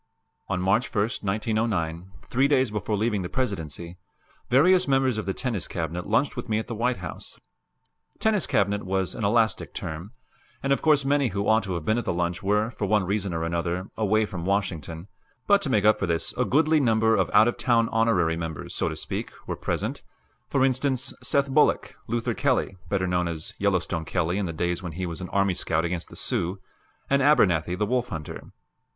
On March 1, 1909, three days before leaving the Presidency, various members of the Tennis Cabinet lunched with me at the White House. "Tennis Cabinet" was an elastic term, and of course many who ought to have been at the lunch were, for one reason or another, away from Washington; but, to make up for this, a goodly number of out of town honorary members, so to speak, were present for instance, Seth Bullock; Luther Kelly, better known as Yellowstone Kelly in the days when he was an army scout against the Sioux; and Abernathy, the wolf hunter.